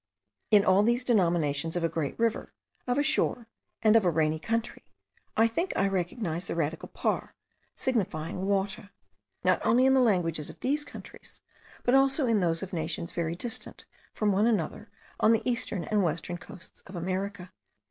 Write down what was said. In all these denominations of a great river, of a shore, and of a rainy country, I think I recognise the radical par, signifying water, not only in the languages of these countries, but also in those of nations very distant from one another on the eastern and western coasts of America.